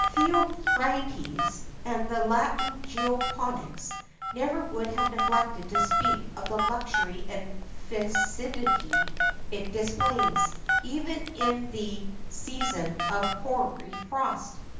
Theophrastus, and the Latin geoponics, never would have neglected to speak of the luxury and fecundity it displays, even in the season of hoary frost.